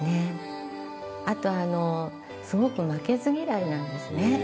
あとすごく負けず嫌いなんですね。